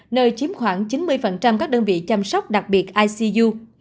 nơi chiếm khoảng chín mươi các đơn vị chăm sóc đặc biệt icu